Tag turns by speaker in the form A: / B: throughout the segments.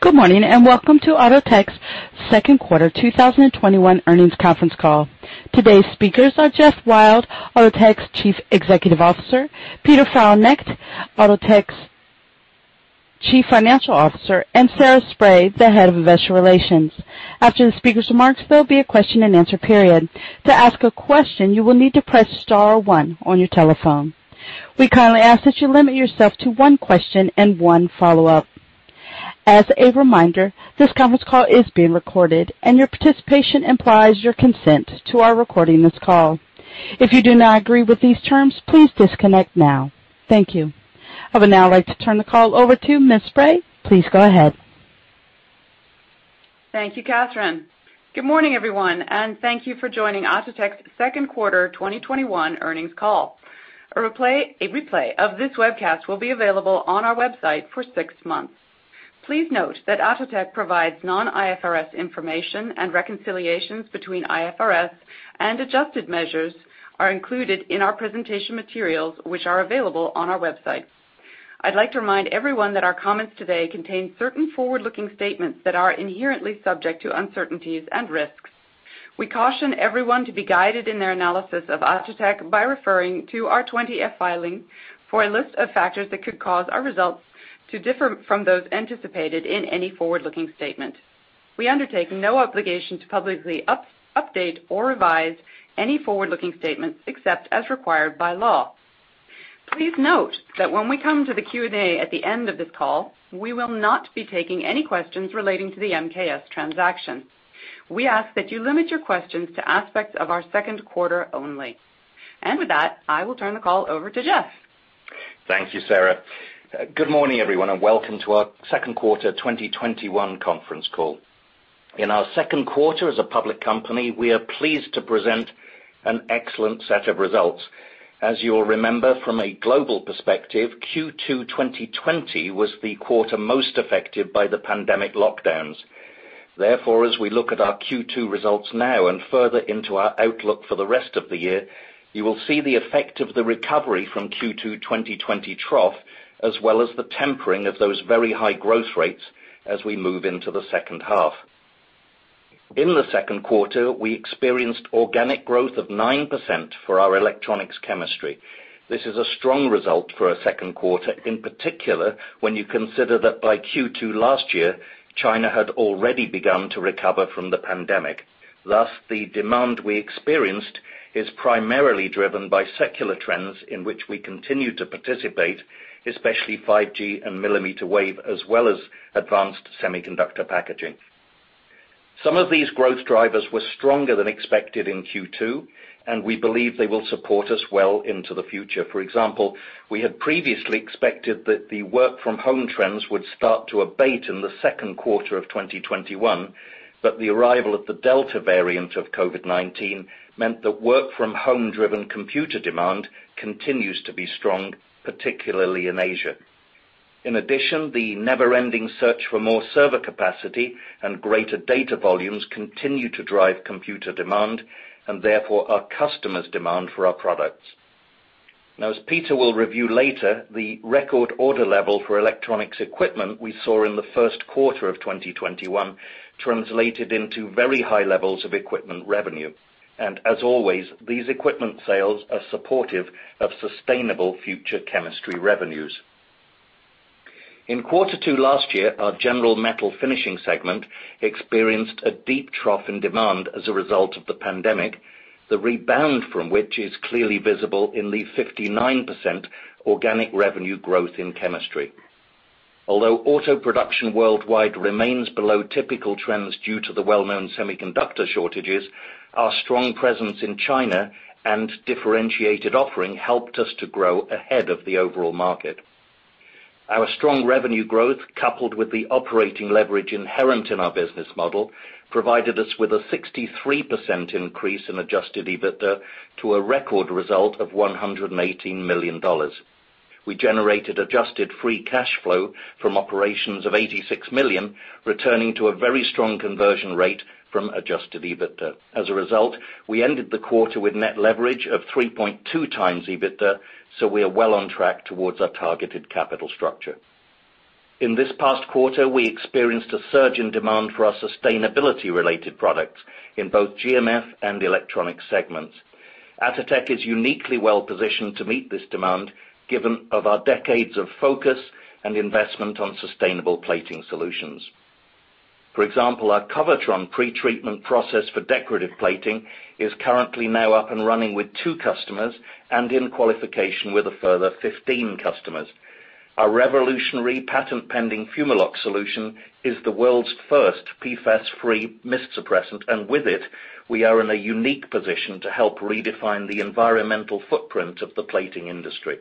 A: Good morning, and welcome to Atotech's second quarter 2021 earnings conference call. Today's speakers are Geoff Wild, Atotech's Chief Executive Officer, Peter Frauenknecht, Atotech's Chief Financial Officer, and Sarah Spray, the Head of Investor Relations. After the speakers' remarks, there'll be a question and answer period. To ask a question, you will need to press star one on your telephone. We kindly ask that you limit yourself to one question and one follow-up. As a reminder, this conference call is being recorded, and your participation implies your consent to our recording this call. If you do not agree with these terms, please disconnect now. Thank you. I would now like to turn the call over to Ms. Spray. Please go ahead.
B: Thank you, Catherine. Good morning, everyone. Thank you for joining Atotech's second quarter 2021 earnings call. A replay of this webcast will be available on our website for six months. Please note that Atotech provides non-IFRS information, and reconciliations between IFRS and adjusted measures are included in our presentation materials, which are available on our website. I'd like to remind everyone that our comments today contain certain forward-looking statements that are inherently subject to uncertainties and risks. We caution everyone to be guided in their analysis of Atotech by referring to our 20-F filing for a list of factors that could cause our results to differ from those anticipated in any forward-looking statement. We undertake no obligation to publicly update or revise any forward-looking statements except as required by law. Please note that when we come to the Q&A at the end of this call, we will not be taking any questions relating to the MKS transaction. We ask that you limit your questions to aspects of our second quarter only. With that, I will turn the call over to Geoff.
C: Thank you, Sarah. Good morning, everyone, and welcome to our second quarter 2021 conference call. In our second quarter as a public company, we are pleased to present an excellent set of results. As you'll remember, from a global perspective, Q2 2020 was the quarter most affected by the pandemic lockdowns. As we look at our Q2 results now and further into our outlook for the rest of the year, you will see the effect of the recovery from Q2 2020 trough, as well as the tempering of those very high growth rates as we move into the second half. In the second quarter, we experienced organic growth of 9% for our electronics chemistry. This is a strong result for our second quarter, in particular, when you consider that by Q2 last year, China had already begun to recover from the pandemic. The demand we experienced is primarily driven by secular trends in which we continue to participate, especially 5G and millimeter wave, as well as advanced semiconductor packaging. Some of these growth drivers were stronger than expected in Q2, and we believe they will support us well into the future. For example, we had previously expected that the work-from-home trends would start to abate in the 2nd quarter of 2021, but the arrival of the Delta variant of COVID-19 meant that work-from-home driven computer demand continues to be strong, particularly in Asia. In addition, the never-ending search for more server capacity and greater data volumes continue to drive computer demand, and therefore, our customer's demand for our products. As Peter will review later, the record order level for electronics equipment we saw in the first quarter of 2021 translated into very high levels of equipment revenue. As always, these equipment sales are supportive of sustainable future chemistry revenues. In quarter two last year, our general metal finishing segment experienced a deep trough in demand as a result of the pandemic, the rebound from which is clearly visible in the 59% organic revenue growth in chemistry. Although auto production worldwide remains below typical trends due to the well-known semiconductor shortages, our strong presence in China and differentiated offering helped us to grow ahead of the overall market. Our strong revenue growth, coupled with the operating leverage inherent in our business model, provided us with a 63% increase in adjusted EBITDA to a record result of $118 million. We generated adjusted free cash flow from operations of $86 million, returning to a very strong conversion rate from adjusted EBITDA. We ended the quarter with net leverage of 3.2x EBITDA. We are well on track towards our targeted capital structure. In this past quarter, we experienced a surge in demand for our sustainability-related products in both GMF and electronic segments. Atotech is uniquely well-positioned to meet this demand given our decades of focus and investment on sustainable plating solutions. For example, our Covertron pretreatment process for decorative plating is currently up and running with two customers and in qualification with a further 15 customers. Our revolutionary patent-pending Fumalock solution is the world's first PFAS-free mist suppressant. With it, we are in a unique position to help redefine the environmental footprint of the plating industry.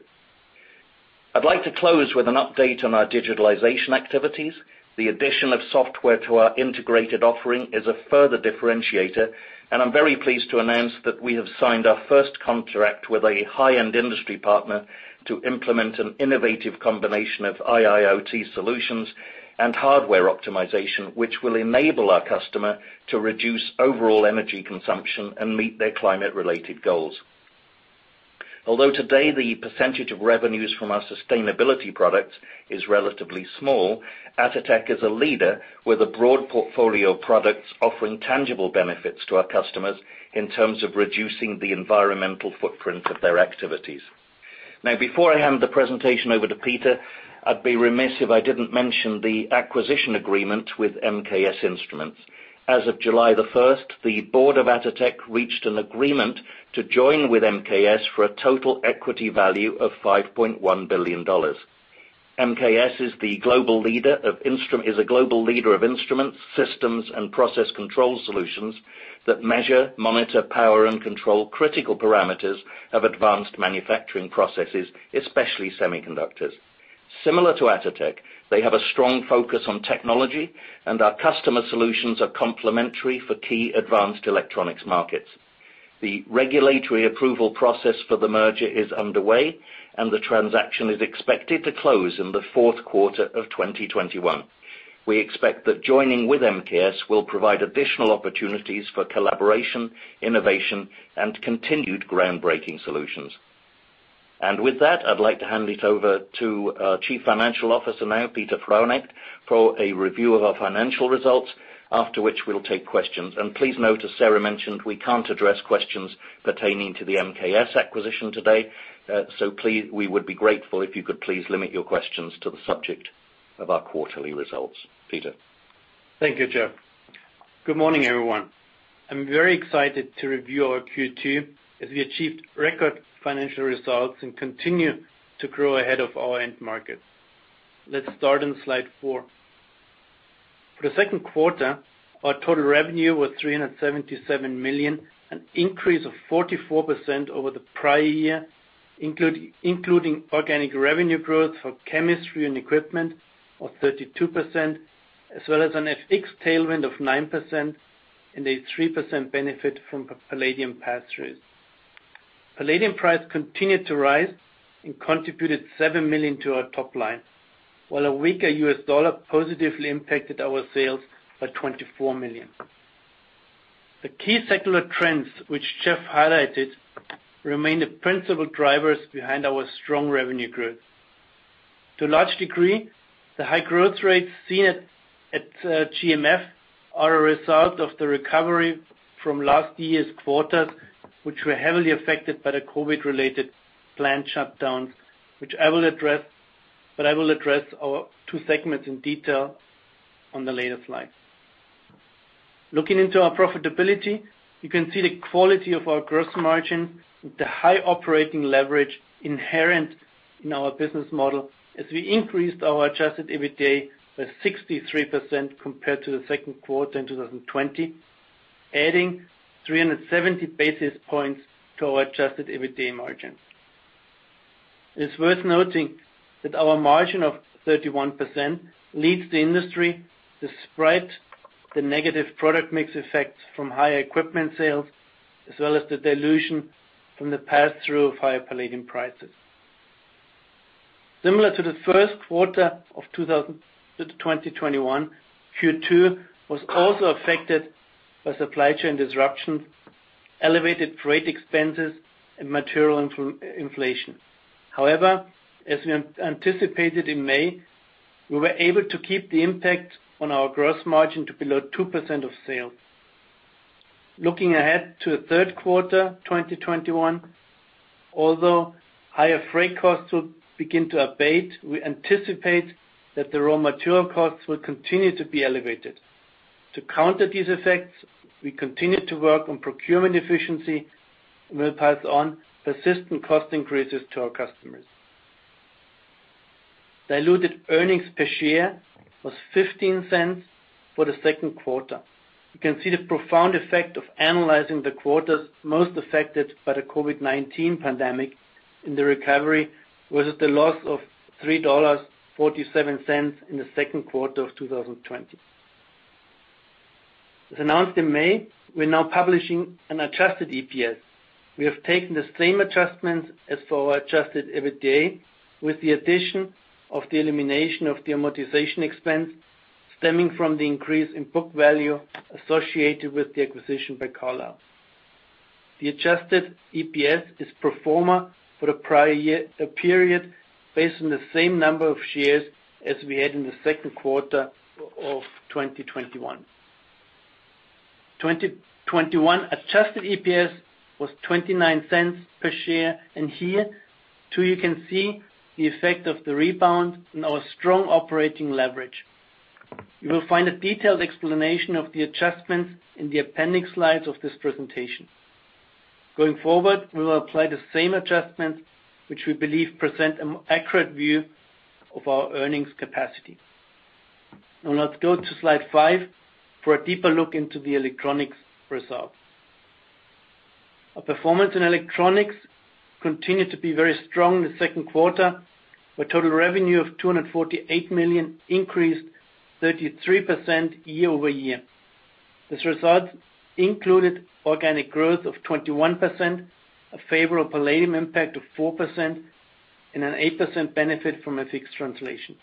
C: I'd like to close with an update on our digitalization activities. The addition of software to our integrated offering is a further differentiator. I'm very pleased to announce that we have signed our first contract with a high-end industry partner to implement an innovative combination of IIoT solutions and hardware optimization, which will enable our customer to reduce overall energy consumption and meet their climate-related goals. Although today the percentage of revenues from our sustainability products is relatively small, Atotech is a leader with a broad portfolio of products offering tangible benefits to our customers in terms of reducing the environmental footprint of their activities. Now, before I hand the presentation over to Peter Frauenknecht, I'd be remiss if I didn't mention the acquisition agreement with MKS Instruments. As of July the 1st, the board of Atotech reached an agreement to join with MKS for a total equity value of $5.1 billion. MKS is a global leader of instruments, systems, and process control solutions that measure, monitor, power, and control critical parameters of advanced manufacturing processes, especially semiconductors. Similar to Atotech, they have a strong focus on technology, and our customer solutions are complementary for key advanced electronics markets. The regulatory approval process for the merger is underway, the transaction is expected to close in the fourth quarter of 2021. We expect that joining with MKS will provide additional opportunities for collaboration, innovation, and continued groundbreaking solutions. With that, I'd like to hand it over to our Chief Financial Officer now, Peter Frauenknecht, for a review of our financial results, after which we'll take questions. Please note, as Sarah mentioned, we can't address questions pertaining to the MKS acquisition today. We would be grateful if you could please limit your questions to the subject of our quarterly results. Peter?
D: Thank you, Geoff. Good morning, everyone. I'm very excited to review our Q2, as we achieved record financial results and continue to grow ahead of our end markets. Let's start on slide 4. For the second quarter, our total revenue was $377 million, an increase of 44% over the prior year, including organic revenue growth for chemistry and equipment of 32%, as well as an FX tailwind of 9% and a 3% benefit from palladium pass-through. Palladium price continued to rise and contributed $7 million to our top line, while a weaker U.S. dollar positively impacted our sales by $24 million. The key secular trends which Geoff highlighted remain the principal drivers behind our strong revenue growth. To a large degree, the high growth rates seen at GMF are a result of the recovery from last year's quarters, which were heavily affected by the COVID-19-related plant shutdowns. I will address our two segments in detail on the later slides. Looking into our profitability, you can see the quality of our gross margin and the high operating leverage inherent in our business model as we increased our adjusted EBITDA by 63% compared to the second quarter in 2020, adding 370 basis points to our adjusted EBITDA margins. It's worth noting that our margin of 31% leads the industry despite the negative product mix effects from higher equipment sales, as well as the dilution from the pass-through of higher palladium prices. Similar to the first quarter of 2021, Q2 was also affected by supply chain disruptions, elevated freight expenses, and material inflation. However, as we anticipated in May, we were able to keep the impact on our gross margin to below 2% of sales. Looking ahead to the third quarter 2021, although higher freight costs will begin to abate, we anticipate that the raw material costs will continue to be elevated. To counter these effects, we continue to work on procurement efficiency and will pass on persistent cost increases to our customers. Diluted earnings per share was $0.15 for the second quarter. You can see the profound effect of analyzing the quarters most affected by the COVID-19 pandemic, and the recovery was at a loss of $3.47 in the second quarter of 2020. As announced in May, we are now publishing an adjusted EPS. We have taken the same adjustments as for our adjusted EBITDA, with the addition of the elimination of the amortization expense stemming from the increase in book value associated with the acquisition by The Carlyle Group. The adjusted EPS is pro forma for the period based on the same number of shares as we had in the second quarter of 2021. 2021 adjusted EPS was $0.29 per share, and here, too, you can see the effect of the rebound in our strong operating leverage. You will find a detailed explanation of the adjustments in the appendix slides of this presentation. Going forward, we will apply the same adjustments, which we believe present an accurate view of our earnings capacity. Now let's go to slide 5 for a deeper look into the electronics results. Our performance in electronics continued to be very strong in the second quarter, with total revenue of $248 million increased 33% year-over-year. This result included organic growth of 21%, a favorable palladium impact of 4%, and an 8% benefit from FX translation.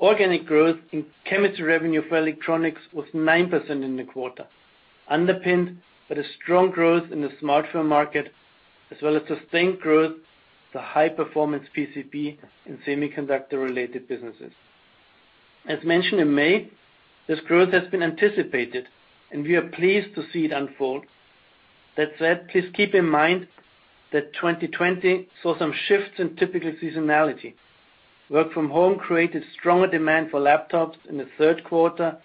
D: Organic growth in chemistry revenue for electronics was 9% in the quarter, underpinned by the strong growth in the smartphone market, as well as sustained growth, the high performance PCB in semiconductor-related businesses. As mentioned in May, this growth has been anticipated and we are pleased to see it unfold. That said, please keep in mind that 2020 saw some shifts in typical seasonality. Work from home created stronger demand for laptops in the third quarter,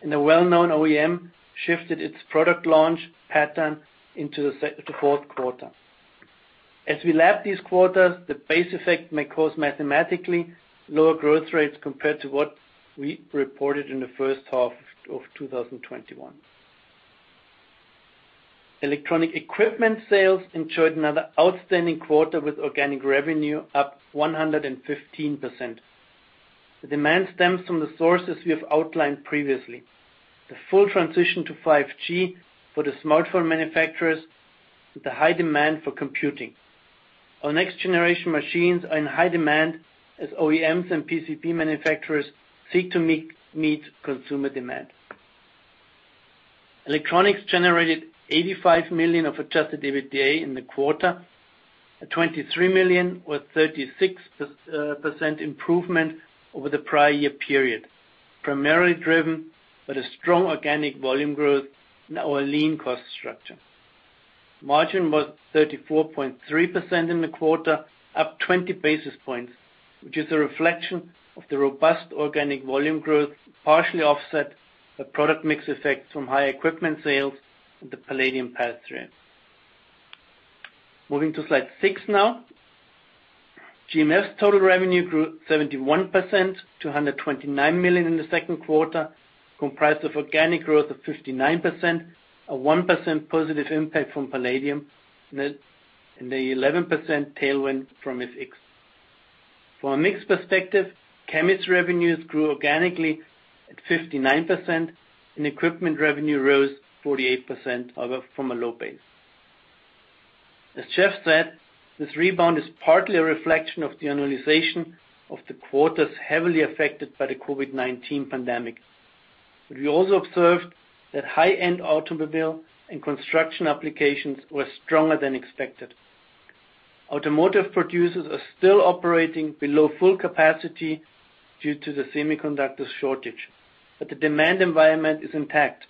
D: and a well-known OEM shifted its product launch pattern into the fourth quarter. As we lap these quarters, the base effect may cause mathematically lower growth rates compared to what we reported in the first half of 2021. Electronic equipment sales ensured another outstanding quarter with organic revenue up 115%. The demand stems from the sources we have outlined previously. The full transition to 5G for the smartphone manufacturers and the high demand for computing. Our next-generation machines are in high demand as OEMs and PCB manufacturers seek to meet consumer demand. Electronics generated $85 million of adjusted EBITDA in the quarter, a $23 million or 36% improvement over the prior year period, primarily driven by the strong organic volume growth and our lean cost structure. Margin was 34.3% in the quarter, up 20 basis points, which is a reflection of the robust organic volume growth, partially offset by product mix effects from higher equipment sales and the palladium pass-through. Moving to slide 6 now. GMF's total revenue grew 71%, $229 million in the second quarter, comprised of organic growth of 59%, a 1% positive impact from palladium, and an 11% tailwind from FX. From a mix perspective, chemistry revenues grew organically at 59%, and equipment revenue rose 48% from a low base. As Geoff said, this rebound is partly a reflection of the annualization of the quarters heavily affected by the COVID-19 pandemic. We also observed that high-end automobile and construction applications were stronger than expected. Automotive producers are still operating below full capacity due to the semiconductor shortage, but the demand environment is intact.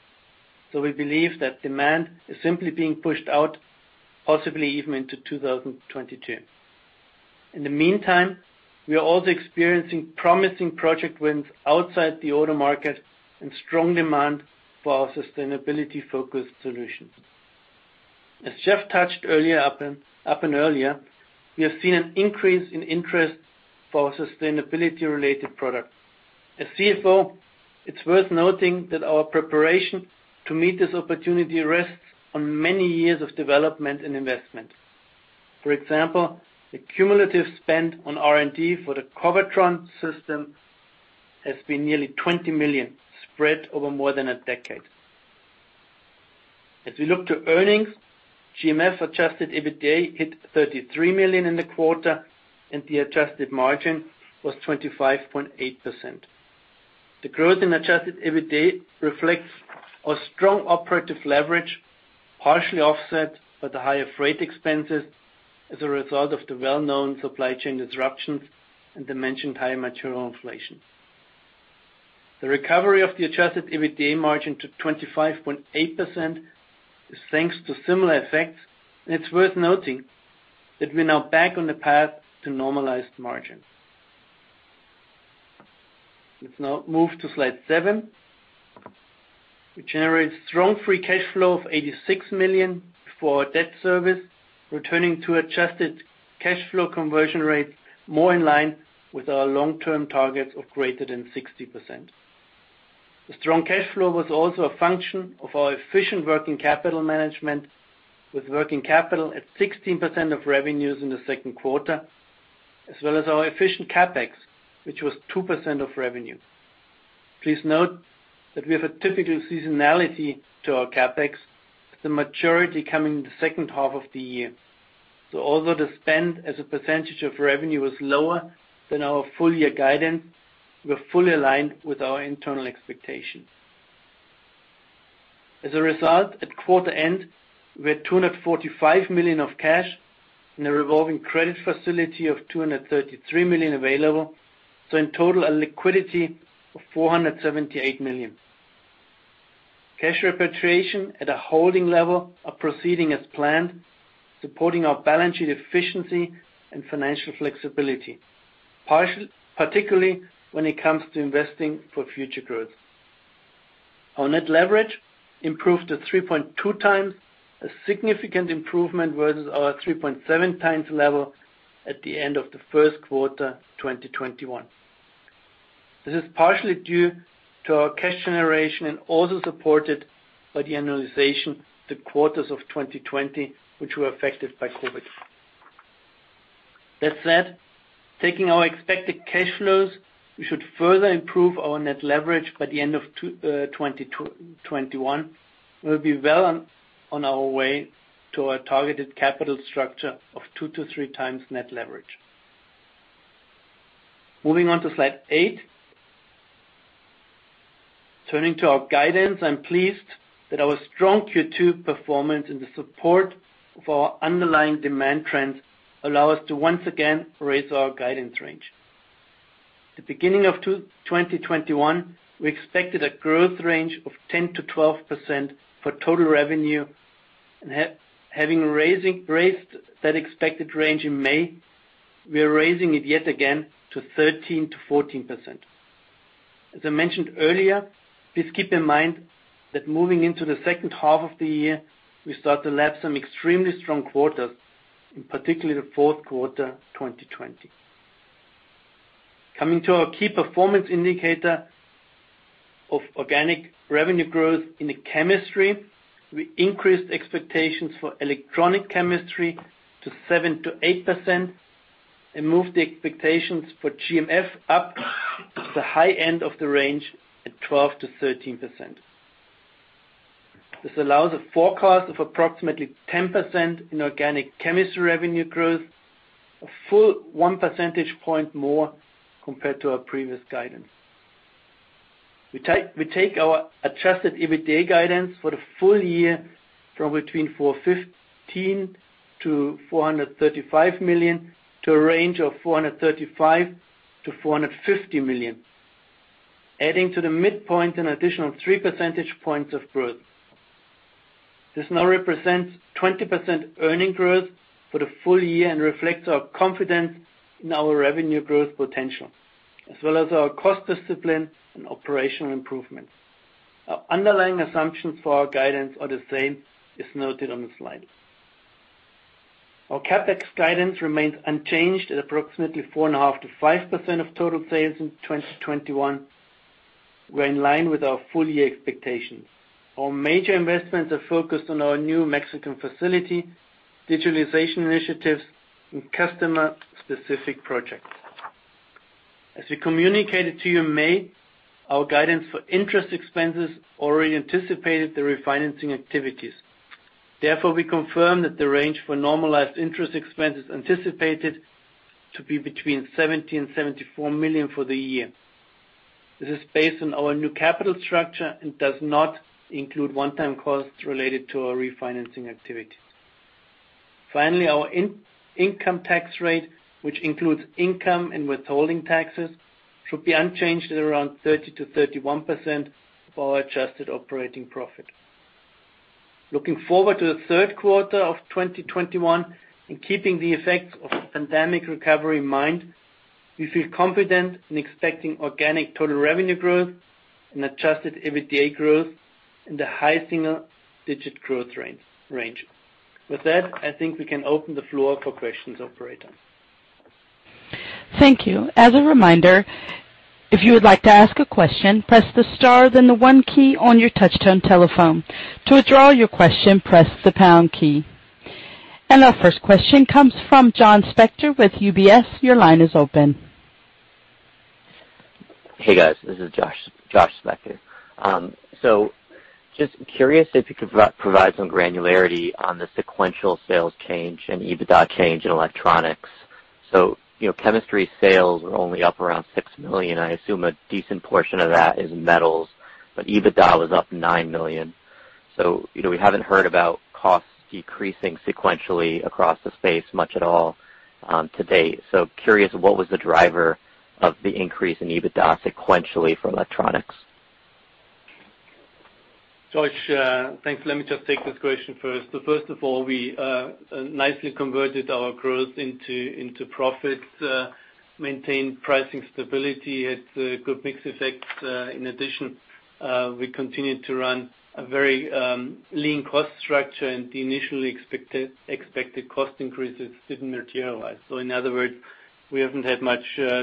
D: We believe that demand is simply being pushed out, possibly even into 2022. In the meantime, we are also experiencing promising project wins outside the auto market and strong demand for our sustainability-focused solutions. As Geoff touched upon earlier, we have seen an increase in interest for sustainability-related products. As CFO, it's worth noting that our preparation to meet this opportunity rests on many years of development and investment. For example, the cumulative spend on R&D for the Covertron system has been nearly $20 million, spread over more than a decade. As we look to earnings, GMF adjusted EBITDA hit $33 million in the quarter, and the adjusted margin was 25.8%. The growth in adjusted EBITDA reflects our strong operative leverage, partially offset by the higher freight expenses as a result of the well-known supply chain disruptions and the mentioned high material inflation. The recovery of the adjusted EBITDA margin to 25.8% is thanks to similar effects. It's worth noting that we're now back on the path to normalized margin. Let's now move to slide 7, which generates strong free cash flow of $86 million for our debt service, returning to adjusted cash flow conversion rate more in line with our long-term targets of greater than 60%. The strong cash flow was also a function of our efficient working capital management, with working capital at 16% of revenues in the second quarter, as well as our efficient CapEx, which was 2% of revenue. Please note that we have a typical seasonality to our CapEx, with the majority coming in the second half of the year. Although the spend as a percentage of revenue was lower than our full-year guidance, we're fully aligned with our internal expectations. As a result, at quarter end, we had $245 million of cash and a revolving credit facility of $233 million available, so in total, a liquidity of $478 million. Cash repatriation at a holding level are proceeding as planned, supporting our balance sheet efficiency and financial flexibility, particularly when it comes to investing for future growth. Our net leverage improved to 3.2x, a significant improvement versus our 3.7x level at the end of the first quarter 2021. This is partially due to our cash generation and also supported by the annualization the quarters of 2020, which were affected by COVID. That said, taking our expected cash flows, we should further improve our net leverage by the end of 2021. We'll be well on our way to our targeted capital structure of 2x-3x net leverage. Moving on to slide 8. Turning to our guidance, I'm pleased that our strong Q2 performance and the support of our underlying demand trends allow us to once again raise our guidance range. At the beginning of 2021, we expected a growth range of 10%-12% for total revenue, and having raised that expected range in May, we are raising it yet again to 13%-14%. As I mentioned earlier, please keep in mind that moving into the second half of the year, we start to lap some extremely strong quarters, in particular the fourth quarter 2020. Coming to our key performance indicator of organic revenue growth in the chemistry, we increased expectations for electronic chemistry to 7%-8% and moved the expectations for GMF up the high end of the range at 12%-13%. This allows a forecast of approximately 10% in organic chemistry revenue growth, a full one percentage point more compared to our previous guidance. We take our adjusted EBITDA guidance for the full year from between $415 million-$435 million to a range of $435 million-$450 million, adding to the midpoint an additional three percentage points of growth. This now represents 20% earnings growth for the full year and reflects our confidence in our revenue growth potential, as well as our cost discipline and operational improvements. Our underlying assumptions for our guidance are the same as noted on the slide. Our CapEx guidance remains unchanged at approximately 4.5%-5% of total sales in 2021. We're in line with our full-year expectations. Our major investments are focused on our new Mexican facility, digitalization initiatives, and customer-specific projects. As we communicated to you in May, our guidance for interest expenses already anticipated the refinancing activities. Therefore, we confirm that the range for normalized interest expense is anticipated to be between $70 million-$74 million for the year. This is based on our new capital structure and does not include one-time costs related to our refinancing activity. Finally, our income tax rate, which includes income and withholding taxes, should be unchanged at around 30%-31% for our adjusted operating profit. Looking forward to the third quarter of 2021 and keeping the effects of the pandemic recovery in mind, we feel confident in expecting organic total revenue growth and adjusted EBITDA growth in the high single-digit growth range. With that, I think we can open the floor for questions, operator.
A: Thank you. As a reminder, if you would like to ask a question, press the star, then the one key on your touch-tone telephone. To withdraw your question, press the pound key. Our first question comes from Josh Spector with UBS. Your line is open.
E: Hey, guys, this is Josh Spector. Just curious if you could provide some granularity on the sequential sales change and EBITDA change in electronics. Chemistry sales were only up around $6 million. I assume a decent portion of that is metals, but EBITDA was up $9 million. We haven't heard about costs decreasing sequentially across the space much at all to date. Curious, what was the driver of the increase in EBITDA sequentially for electronics?
D: Josh, thanks. Let me just take this question first. First of all, we nicely converted our growth into profits, maintained pricing stability, had good mix effects. In addition, we continued to run a very lean cost structure, and the initially expected cost increases didn't materialize. In other words, we haven't had much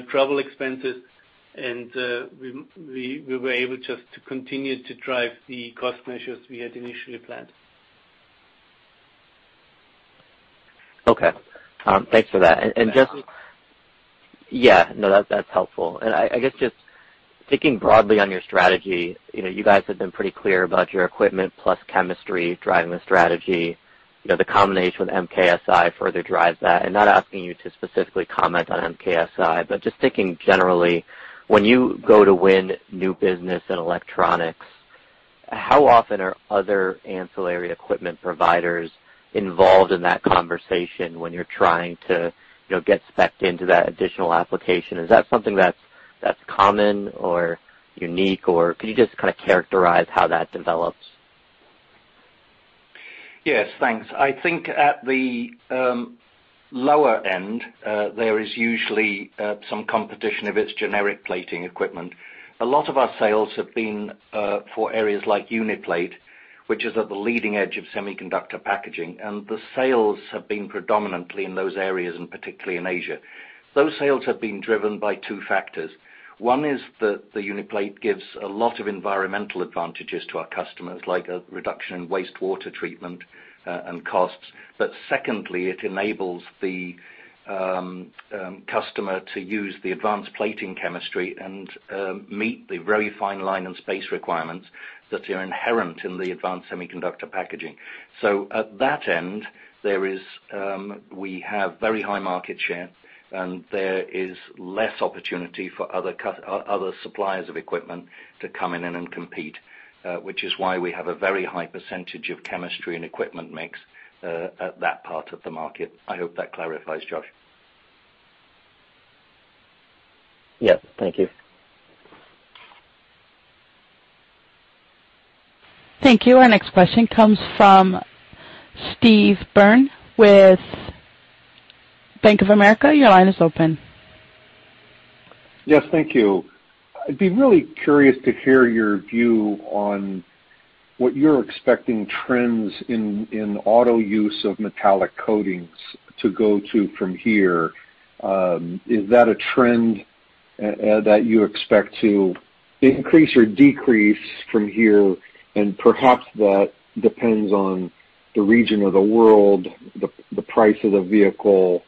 D: travel expenses, and we were able just to continue to drive the cost measures we had initially planned.
E: Okay. Thanks for that.
D: Yeah.
E: Yeah, no, that's helpful. I guess just thinking broadly on your strategy, you guys have been pretty clear about your equipment plus chemistry driving the strategy. The combination with MKSI further drives that. Not asking you to specifically comment on MKSI, but just thinking generally, when you go to win new business in electronics, how often are other ancillary equipment providers involved in that conversation when you're trying to get specced into that additional application? Is that something that's common or unique, or could you just characterize how that develops?
C: Yes. Thanks. I think at the lower end, there is usually some competition if it's generic plating equipment. A lot of our sales have been for areas like Uniplate, which is at the leading edge of semiconductor packaging, and the sales have been predominantly in those areas, and particularly in Asia. Those sales have been driven by two factors. One is that the Uniplate gives a lot of environmental advantages to our customers, like a reduction in wastewater treatment and costs. Secondly, it enables the customer to use the advanced plating chemistry and meet the very fine line and space requirements that are inherent in the advanced semiconductor packaging. At that end, we have very high market share, and there is less opportunity for other suppliers of equipment to come in and compete, which is why we have a very high percentage of chemistry and equipment mix at that part of the market. I hope that clarifies, Josh.
E: Yes. Thank you.
A: Thank you. Our next question comes from Steve Byrne with Bank of America. Your line is open.
F: Yes. Thank you. I'd be really curious to hear your view on what you're expecting trends in auto use of metallic coatings to go to from here. Is that a trend that you expect to increase or decrease from here? Perhaps that depends on the region of the world, the price of the vehicle,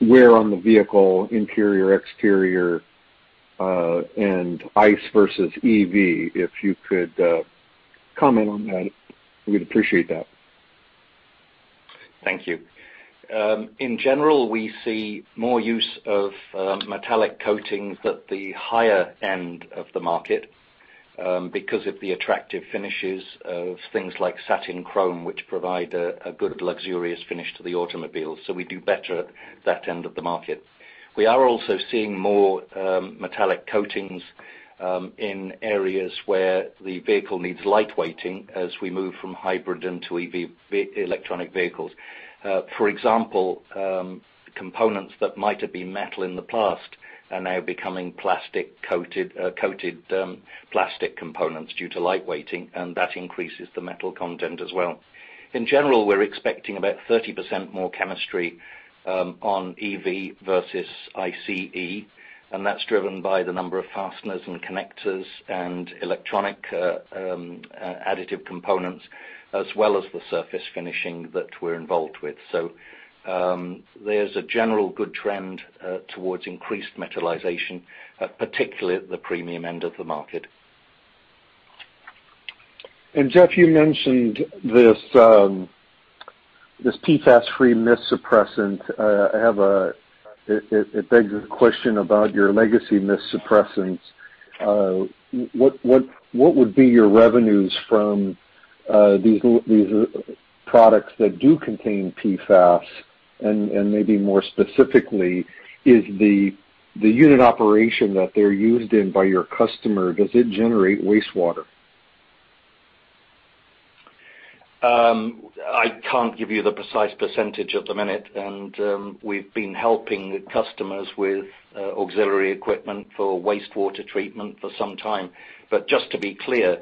F: where on the vehicle, interior, exterior, and ICE versus EV. If you could comment on that, we'd appreciate that.
C: Thank you. In general, we see more use of metallic coatings at the higher end of the market because of the attractive finishes of things like satin chrome, which provide a good luxurious finish to the automobile. We do better at that end of the market. We are also seeing more metallic coatings, in areas where the vehicle needs lightweighting as we move from hybrid into EV, electronic vehicles. For example, components that might have been metal in the past are now becoming coated plastic components due to lightweighting, and that increases the metal content as well. In general, we're expecting about 30% more chemistry, on EV versus ICE. That's driven by the number of fasteners and connectors and electronic additive components, as well as the surface finishing that we're involved with. There's a general good trend towards increased metallization, particularly at the premium end of the market.
F: Geoff, you mentioned this PFAS-free fume suppressant. It begs the question about your legacy fume suppressants. What would be your revenues from these products that do contain PFAS? Maybe more specifically, is the unit operation that they're used in by your customer, does it generate wastewater?
C: I can't give you the precise percentage at the minute. We've been helping customers with auxiliary equipment for wastewater treatment for some time. Just to be clear,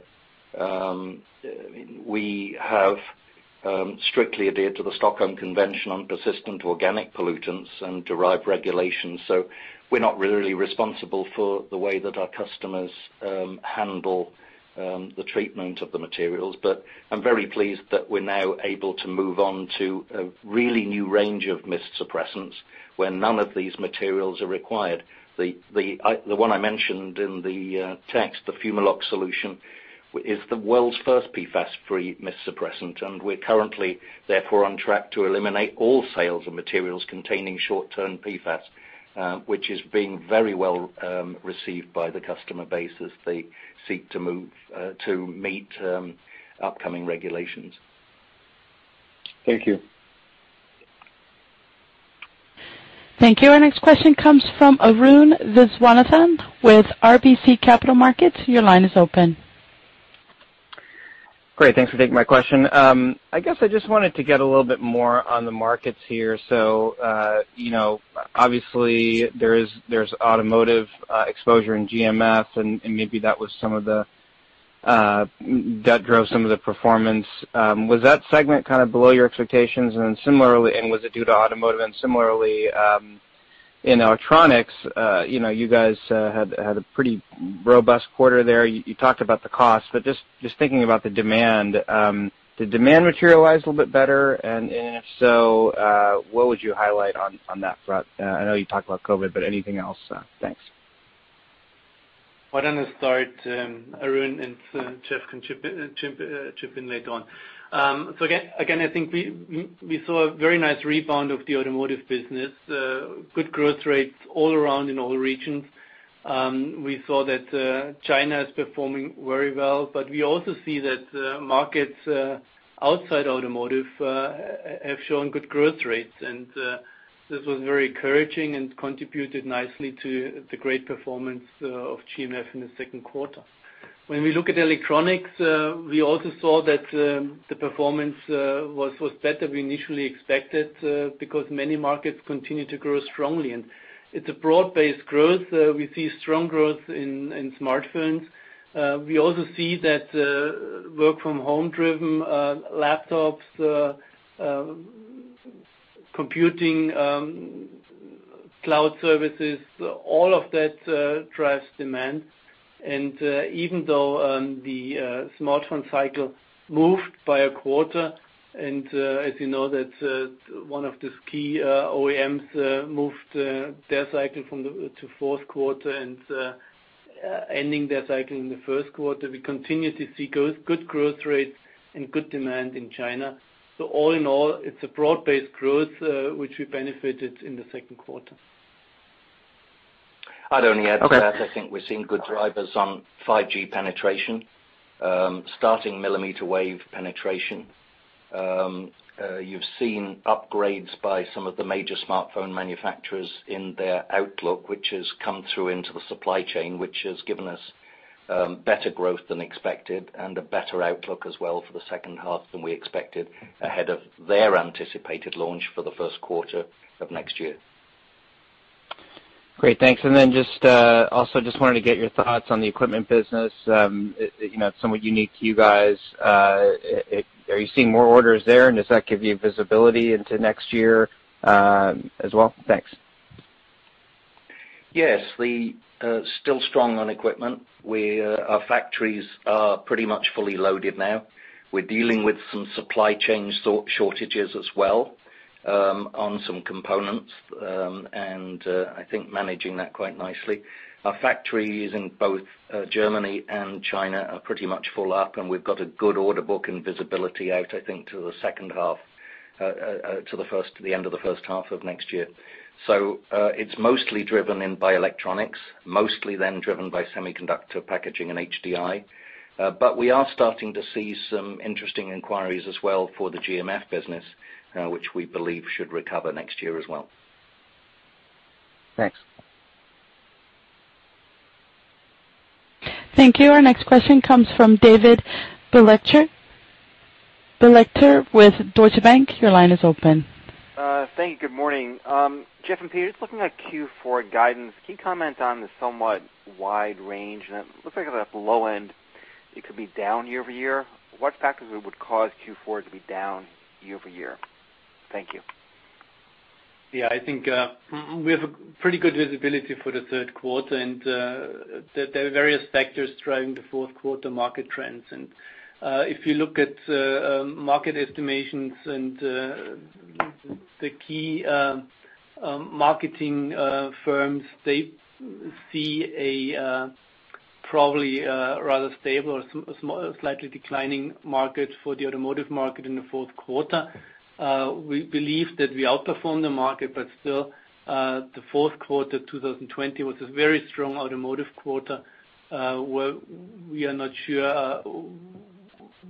C: we have strictly adhered to the Stockholm Convention on persistent organic pollutants and derived regulations. We're not really responsible for the way that our customers handle the treatment of the materials. I'm very pleased that we're now able to move on to a really new range of mist suppressants where none of these materials are required. The one I mentioned in the text, the Fumalock solution, is the world's first PFAS-free mist suppressant, and we're currently, therefore, on track to eliminate all sales of materials containing short-term PFAS, which is being very well received by the customer base as they seek to meet upcoming regulations.
F: Thank you.
A: Thank you. Our next question comes from Arun Viswanathan with RBC Capital Markets. Your line is open.
G: Great. Thanks for taking my question. I guess I just wanted to get a little bit more on the markets here. Obviously there's automotive exposure in GMF, and maybe that drove some of the performance. Was that segment kind of below your expectations? Was it due to automotive? Similarly, in electronics, you guys had a pretty robust quarter there. You talked about the cost, but just thinking about the demand, did demand materialize a little bit better? If so, what would you highlight on that front? I know you talked about COVID, but anything else? Thanks.
D: Why don't I start, Arun, and Geoff can chip in later on. Again, I think we saw a very nice rebound of the automotive business. Good growth rates all around in all regions. We saw that China is performing very well, but we also see that markets outside automotive have shown good growth rates, and this was very encouraging and contributed nicely to the great performance of GMF in the second quarter. When we look at electronics, we also saw that the performance was better we initially expected, because many markets continue to grow strongly. It's a broad-based growth. We see strong growth in smartphones. We also see that work from home-driven laptops, computing cloud services, all of that drives demand. Even though the smartphone cycle moved by a quarter, and as you know, that one of the key OEMs moved their cycle to fourth quarter and ending their cycle in the first quarter, we continue to see good growth rates and good demand in China. All in all, it's a broad-based growth which we benefited in the second quarter.
C: I'd only add to that, I think we're seeing good drivers on 5G penetration, starting millimeter wave penetration. You've seen upgrades by some of the major smartphone manufacturers in their outlook, which has come through into the supply chain, which has given us better growth than expected and a better outlook as well for the second half than we expected ahead of their anticipated launch for the first quarter of next year.
G: Great, thanks. Then just also just wanted to get your thoughts on the equipment business. It's somewhat unique to you guys. Are you seeing more orders there? Does that give you visibility into next year as well? Thanks.
C: Yes. Still strong on equipment. Our factories are pretty much fully loaded now. We're dealing with some supply chain shortages as well on some components, and I think managing that quite nicely. Our factories in both Germany and China are pretty much full up, and we've got a good order book and visibility out, I think, to the end of the first half of next year. It's mostly driven in by electronics, mostly then driven by semiconductor packaging and HDI. We are starting to see some interesting inquiries as well for the GMF business, which we believe should recover next year as well.
G: Thanks.
A: Thank you. Our next question comes from David Begleiter with Deutsche Bank. Your line is open.
H: Thank you. Good morning. Geoff and Peter, just looking at Q4 guidance, can you comment on the somewhat wide range? It looks like at that low end, it could be down year-over-year. What factors would cause Q4 to be down year-over-year? Thank you.
D: I think we have a pretty good visibility for the third quarter and there are various factors driving the fourth quarter market trends. If you look at market estimations and the key marketing firms, they see a probably rather stable or slightly declining market for the automotive market in the fourth quarter. We believe that we outperformed the market, but still, the fourth quarter 2020 was a very strong automotive quarter, where we are not sure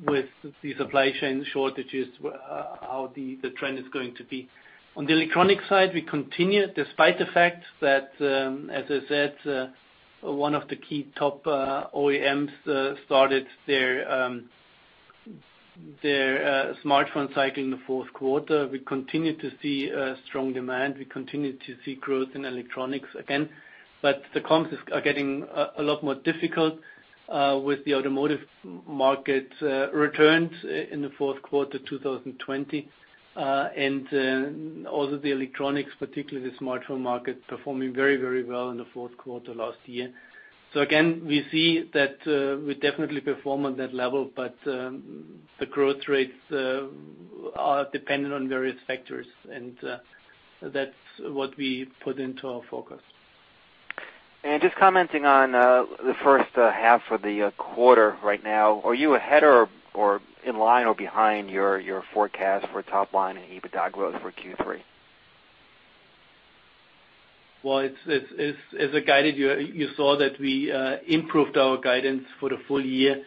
D: with the supply chain shortages how the trend is going to be. On the electronic side, we continue despite the fact that, as I said, one of the key top OEMs started their smartphone cycle in the fourth quarter. We continue to see strong demand. We continue to see growth in electronics again. The comps are getting a lot more difficult with the automotive market returns in the fourth quarter 2020. Also the electronics, particularly the smartphone market, performing very well in the fourth quarter last year. Again, we see that we definitely perform on that level, but the growth rates are dependent on various factors, and that's what we put into our focus.
H: Just commenting on the first half of the quarter right now. Are you ahead or in line or behind your forecast for top line and EBITDA growth for Q3?
D: As I guided you saw that we improved our guidance for the full year.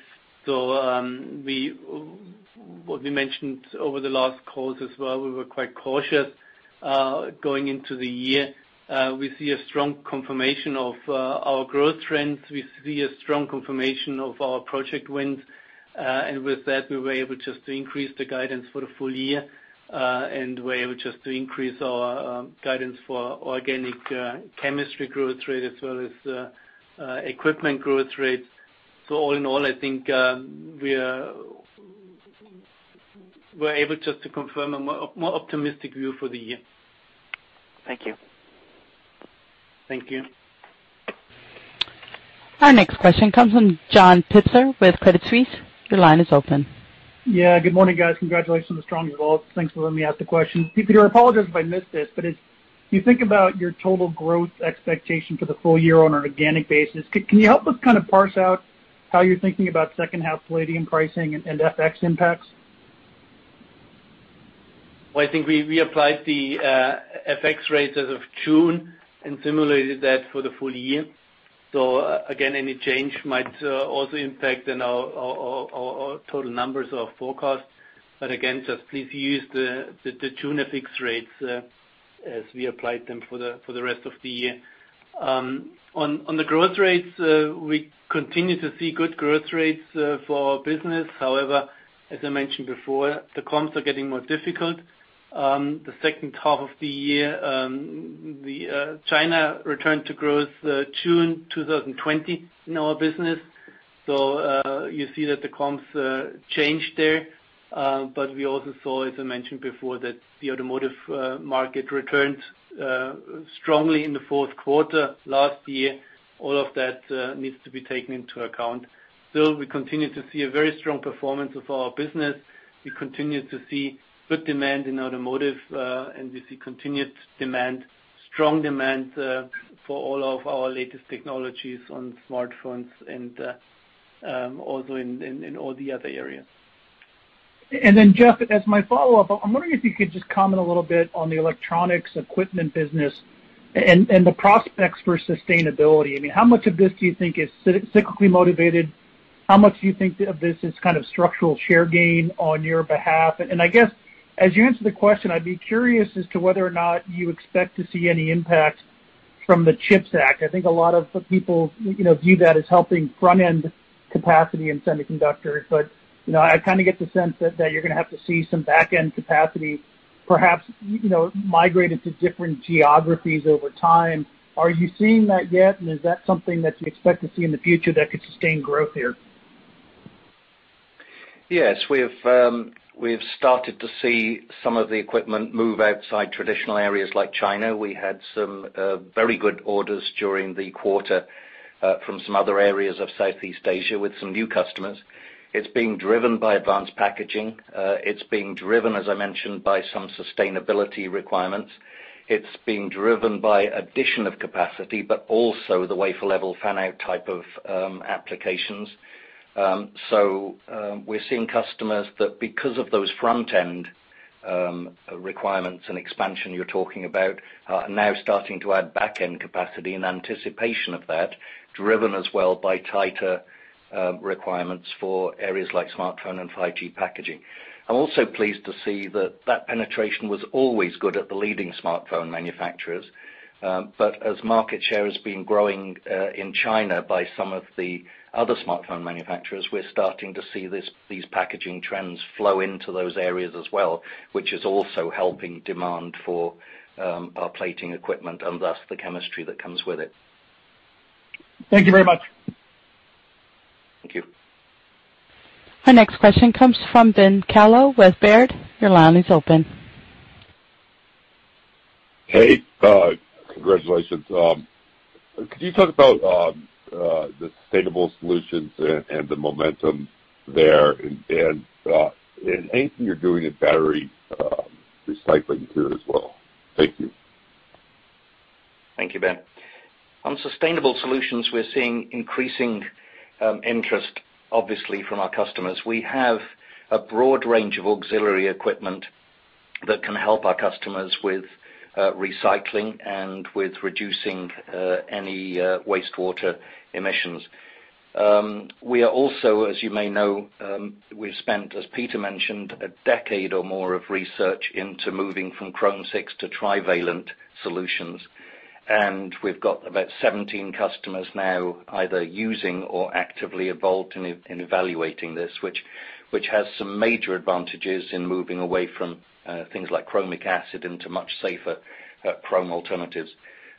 D: What we mentioned over the last calls as well, we were quite cautious going into the year. We see a strong confirmation of our growth trends. We see a strong confirmation of our project wins. With that, we were able just to increase the guidance for the full year, and we're able just to increase our guidance for organic chemistry growth rate as well as equipment growth rate. All in all, I think we're able just to confirm a more optimistic view for the year.
H: Thank you.
D: Thank you.
A: Our next question comes from John Pitzer with Credit Suisse. Your line is open.
I: Yeah. Good morning, guys. Congratulations on the strong results. Thanks for letting me ask the question. Peter, I apologize if I missed this, but as you think about your total growth expectation for the full year on an organic basis, can you help us kind of parse out how you're thinking about second half palladium pricing and FX impacts?
D: Well, I think we applied the FX rates as of June and simulated that for the full year. Again, any change might also impact in our total numbers of forecasts. Again, just please use the June FX rates as we applied them for the rest of the year. On the growth rates, we continue to see good growth rates for our business. However, as I mentioned before, the comps are getting more difficult. The second half of the year, China returned to growth June 2020 in our business. You see that the comps changed there. We also saw, as I mentioned before, that the automotive market returned strongly in the fourth quarter last year. All of that needs to be taken into account. Still, we continue to see a very strong performance of our business. We continue to see good demand in automotive, and we see continued demand, strong demand for all of our latest technologies on smartphones and also in all the other areas.
I: Geoff, as my follow-up, I'm wondering if you could just comment a little bit on the electronics equipment business and the prospects for sustainability. I mean, how much of this do you think is cyclically motivated? How much do you think of this as kind of structural share gain on your behalf? I guess, as you answer the question, I'd be curious as to whether or not you expect to see any impact from the CHIPS Act. I think a lot of people view that as helping front-end capacity in semiconductors, but I kind of get the sense that you're going to have to see some back-end capacity, perhaps migrated to different geographies over time. Are you seeing that yet, and is that something that you expect to see in the future that could sustain growth here?
C: We've started to see some of the equipment move outside traditional areas like China. We had some very good orders during the quarter from some other areas of Southeast Asia with some new customers. It's being driven by advanced packaging. It's being driven, as I mentioned, by some sustainability requirements. It's being driven by addition of capacity, but also the wafer-level fan-out type of applications. We're seeing customers that, because of those front-end requirements and expansion you're talking about, are now starting to add back-end capacity in anticipation of that, driven as well by tighter requirements for areas like smartphone and 5G packaging. I'm also pleased to see that that penetration was always good at the leading smartphone manufacturers. As market share has been growing in China by some of the other smartphone manufacturers, we're starting to see these packaging trends flow into those areas as well, which is also helping demand for our plating equipment, and thus the chemistry that comes with it.
I: Thank you very much.
C: Thank you.
A: Our next question comes from Ben Kallo with Baird. Your line is open.
J: Hey, congratulations. Could you talk about the sustainable solutions and the momentum there, and anything you're doing in battery recycling here as well? Thank you.
C: Thank you, Ben. On sustainable solutions, we're seeing increasing interest, obviously, from our customers. We have a broad range of auxiliary equipment that can help our customers with recycling and with reducing any wastewater emissions. We are also, as you may know, we've spent, as Peter mentioned, a decade or more of research into moving from chrome VI to trivalent solutions, and we've got about 17 customers now either using or actively involved in evaluating this, which has some major advantages in moving away from things like chromic acid into much safer chrome alternatives.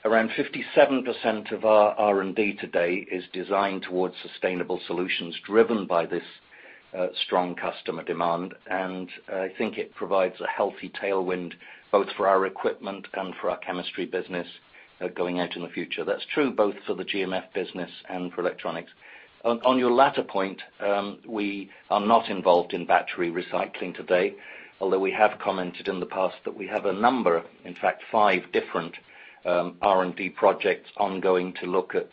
C: Around 57% of our R&D today is designed towards sustainable solutions driven by this strong customer demand, and I think it provides a healthy tailwind both for our equipment and for our chemistry business going out in the future. That's true both for the GMF business and for electronics. On your latter point, we are not involved in battery recycling today, although we have commented in the past that we have a number, in fact, five different R&D projects ongoing to look at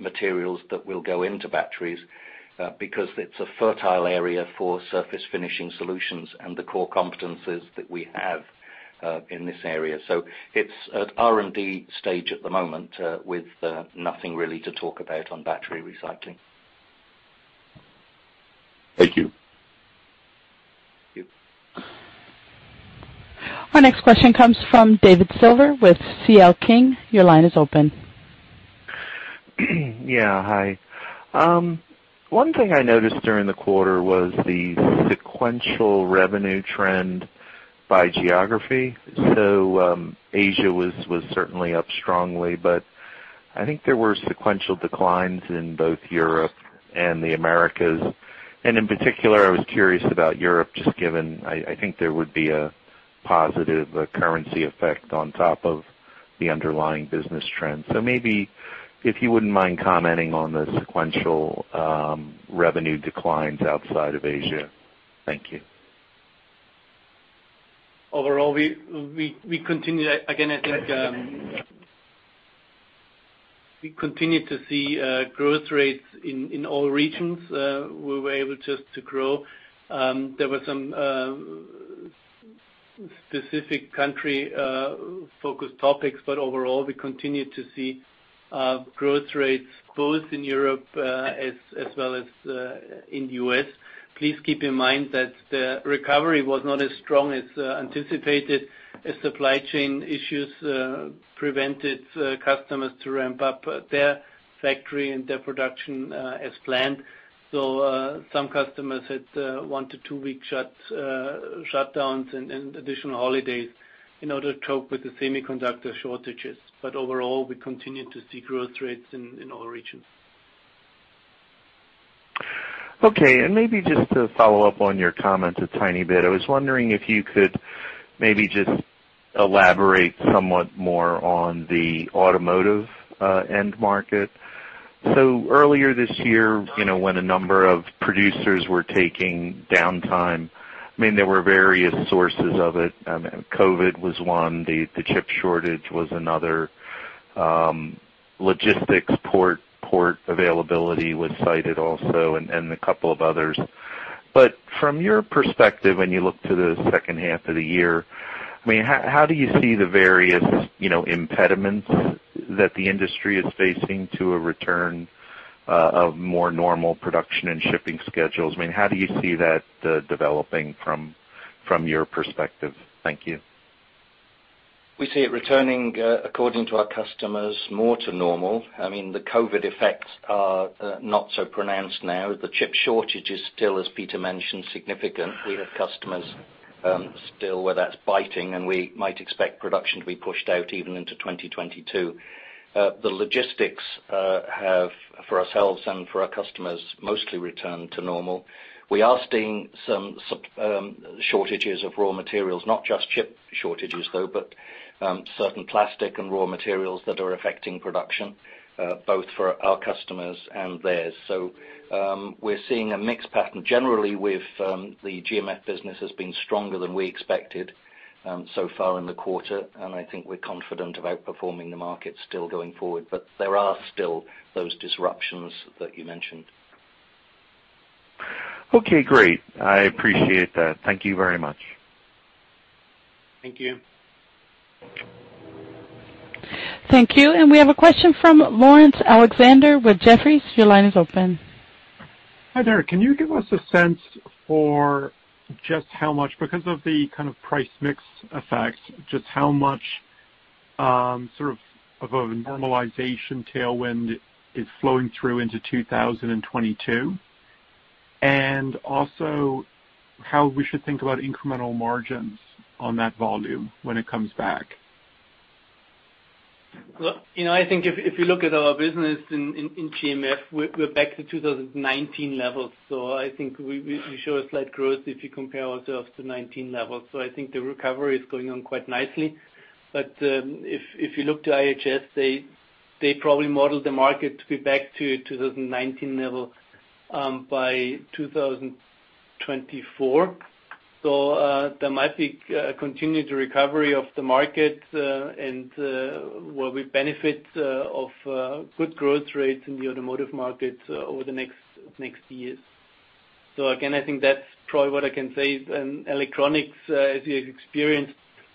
C: materials that will go into batteries, because it's a fertile area for surface finishing solutions and the core competencies that we have in this area. It's at R&D stage at the moment, with nothing really to talk about on battery recycling.
J: Thank you.
C: Thank you.
A: Our next question comes from David Silver with C.L. King. Your line is open.
K: Hi. One thing I noticed during the quarter was the sequential revenue trend by geography. Asia was certainly up strongly, but I think there were sequential declines in both Europe and the Americas. In particular, I was curious about Europe, just given, I think there would be a positive currency effect on top of the underlying business trends. Maybe if you wouldn't mind commenting on the sequential revenue declines outside of Asia. Thank you.
D: Overall, we continue to see growth rates in all regions. We were able just to grow. There were some specific country-focused topics, but overall, we continue to see growth rates both in Europe as well as in the U.S. Please keep in mind that the recovery was not as strong as anticipated. As supply chain issues prevented customers to ramp up their factory and their production as planned. Some customers had 1-week to 2-week shutdowns and additional holidays in order to cope with the semiconductor shortages. Overall, we continue to see growth rates in all regions.
K: Okay. Maybe just to follow up on your comments a tiny bit, I was wondering if you could maybe just elaborate somewhat more on the automotive end market. Earlier this year, when a number of producers were taking downtime, there were various sources of it. COVID was one, the chip shortage was another, logistics port availability was cited also, and a couple of others. From your perspective, when you look to the second half of the year, how do you see the various impediments that the industry is facing to a return of more normal production and shipping schedules? How do you see that developing from your perspective? Thank you.
C: We see it returning, according to our customers, more to normal. The COVID effects are not so pronounced now. The chip shortage is still, as Peter mentioned, significant. We have customers still where that's biting, and we might expect production to be pushed out even into 2022. The logistics have, for ourselves and for our customers, mostly returned to normal. We are seeing some shortages of raw materials, not just chip shortages, though, but certain plastic and raw materials that are affecting production, both for our customers and theirs. We're seeing a mixed pattern. Generally, with the GMF business has been stronger than we expected so far in the quarter, and I think we're confident about performing the market still going forward, but there are still those disruptions that you mentioned.
K: Okay, great. I appreciate that. Thank you very much.
D: Thank you.
A: Thank you. We have a question from Laurence Alexander with Jefferies. Your line is open.
L: Hi there. Can you give us a sense for just how much, because of the price mix effect, just how much of a normalization tailwind is flowing through into 2022? Also how we should think about incremental margins on that volume when it comes back.
D: I think if you look at our business in GMF, we're back to 2019 levels. I think we show a slight growth if you compare ourselves to 2019 levels. I think the recovery is going on quite nicely. If you look to IHS, they probably modeled the market to be back to 2019 level by 2024. There might be a continued recovery of the market, and where we benefit of good growth rates in the automotive market over the next years. Again, I think that's probably what I can say, in electronics, as we have experienced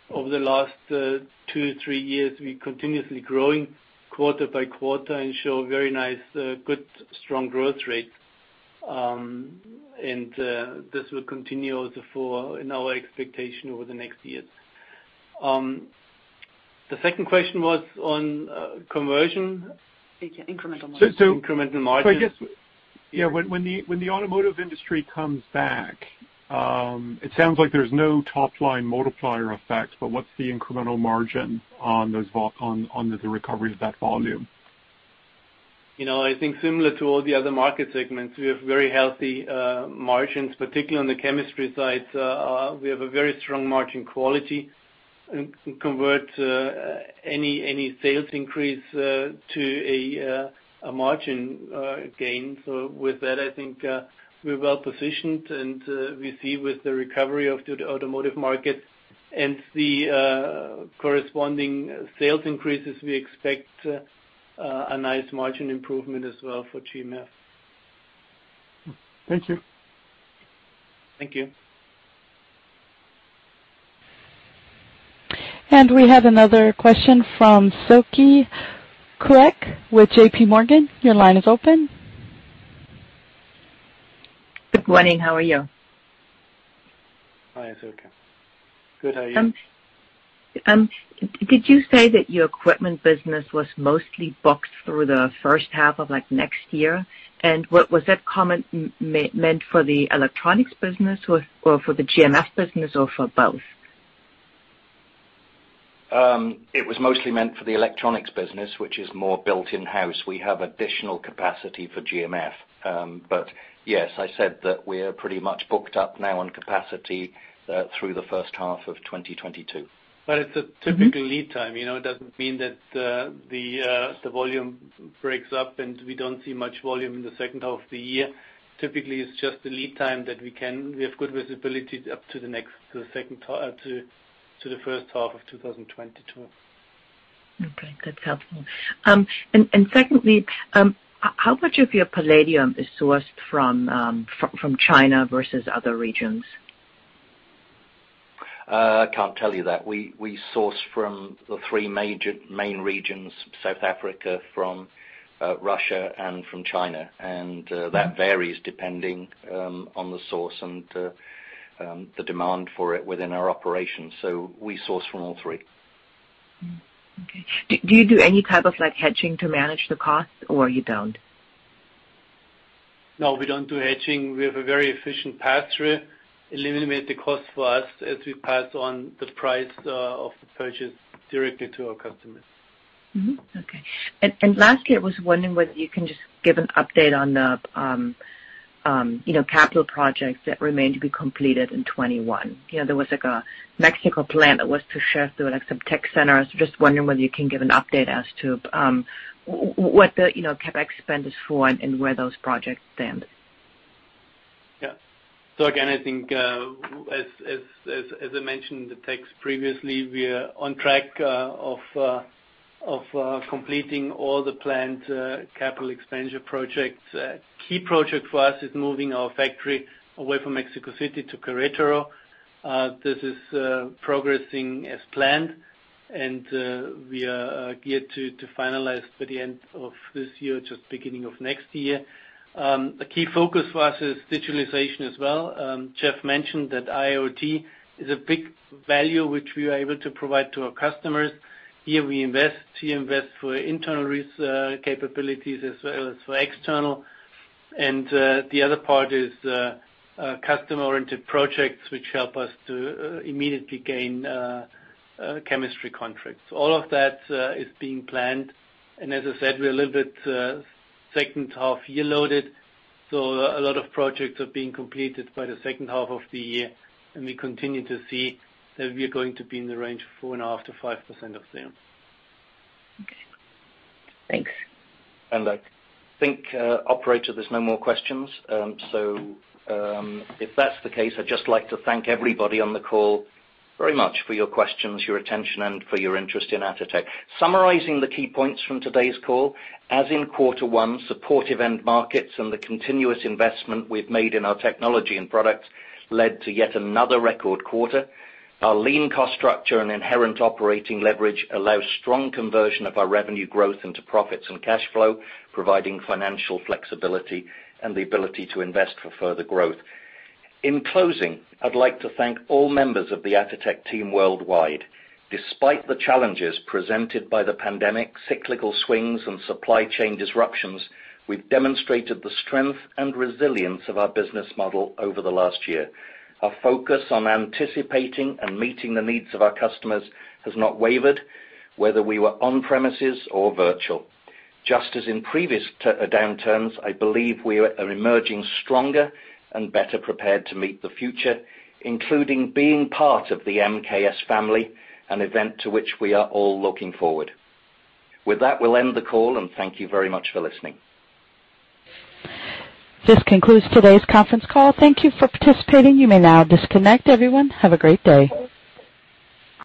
D: over the last two, three years, we continuously growing quarter by quarter and show very nice, good, strong growth rates. This will continue also for in our expectation over the next years. The second question was on conversion?
B: Incremental margins.
D: Incremental margins.
L: When the automotive industry comes back, it sounds like there's no top-line multiplier effect, but what's the incremental margin on the recovery of that volume?
D: I think similar to all the other market segments, we have very healthy margins, particularly on the chemistry side. We have a very strong margin quality and convert any sales increase to a margin gain. With that, I think we're well-positioned, and we see with the recovery of the automotive market and the corresponding sales increases, we expect a nice margin improvement as well for GMF.
L: Thank you.
D: Thank you.
A: We have another question from Silke Kueck with JPMorgan. Your line is open.
M: Good morning. How are you?
D: Hi, Silke. Good. How are you?
M: Did you say that your equipment business was mostly booked through the first half of next year? Was that comment meant for the electronics business or for the GMF business or for both?
C: It was mostly meant for the electronics business, which is more built in-house. We have additional capacity for GMF. Yes, I said that we are pretty much booked up now on capacity through the first half of 2022.
D: It's a typical lead time. It doesn't mean that the volume breaks up and we don't see much volume in the second half of the year. Typically, it's just the lead time that we have good visibility up to the first half of 2022.
M: Okay. That's helpful. Secondly, how much of your palladium is sourced from China versus other regions?
C: I can't tell you that. We source from the three main regions, South Africa, from Russia and from China. That varies depending on the source and the demand for it within our operations. We source from all three.
M: Okay. Do you do any type of hedging to manage the cost or you don't?
D: No, we don't do hedging. We have a very efficient pass-through. Eliminate the cost for us as we pass on the price of the purchase directly to our customers.
M: Okay. Lastly, I was wondering whether you can just give an update on the capital projects that remain to be completed in 2021. There was a Mexico plan that was to shift to some tech centers. Just wondering whether you can give an update as to what the CapEx spend is for and where those projects stand.
D: Again, I think, as I mentioned in the text previously, we are on track of completing all the planned capital expenditure projects. A key project for us is moving our factory away from Mexico City to Querétaro. This is progressing as planned, we are geared to finalize by the end of this year, just beginning of next year. A key focus for us is digitalization as well. Geoff mentioned that IoT is a big value which we are able to provide to our customers. Here we invest. We invest for internal capabilities as well as for external. The other part is customer-oriented projects which help us to immediately gain chemistry contracts. All of that is being planned. As I said, we're a little bit second half year loaded. A lot of projects are being completed by the second half of the year, and we continue to see that we are going to be in the range of 4.5%-5% of sales.
M: Okay. Thanks.
C: I think, operator, there's no more questions. If that's the case, I'd just like to thank everybody on the call very much for your questions, your attention, and for your interest in Atotech. Summarizing the key points from today's call, as in quarter one, supportive end markets and the continuous investment we've made in our technology and products led to yet another record quarter. Our lean cost structure and inherent operating leverage allows strong conversion of our revenue growth into profits and cash flow, providing financial flexibility and the ability to invest for further growth. In closing, I'd like to thank all members of the Atotech team worldwide. Despite the challenges presented by the pandemic, cyclical swings, and supply chain disruptions, we've demonstrated the strength and resilience of our business model over the last year. Our focus on anticipating and meeting the needs of our customers has not wavered, whether we were on premises or virtual. Just as in previous downturns, I believe we are emerging stronger and better prepared to meet the future, including being part of the MKS family, an event to which we are all looking forward. With that, we'll end the call, and thank you very much for listening.
A: This concludes today's conference call. Thank you for participating. You may now disconnect. Everyone, have a great day.